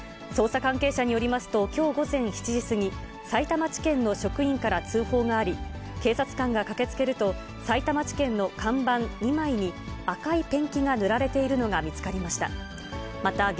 捜査関係者によりますと、きょう午前７時過ぎ、さいたま地検の職員から通報があり、警察官が駆けつけると、さいたま地検の看板２枚に、赤いペンキが塗られているのが見つかりました。